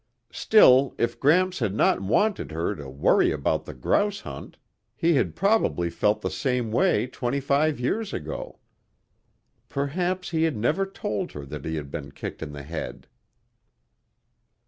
Still, if Gramps had not wanted her to worry after the grouse hunt, he had probably felt the same way twenty five years ago. Perhaps he had never told her that he had been kicked in the head.